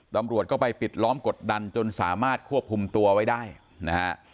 ตำรวจก็ไปปิดล้อมกดดันจนสามารถควบคุมตัวไว้ได้นะฮะ